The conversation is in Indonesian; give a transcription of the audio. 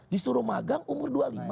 disuruh magang umur dua puluh lima